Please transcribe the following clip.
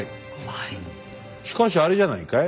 しかしあれじゃないかい？